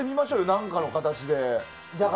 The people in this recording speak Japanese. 何かの形で。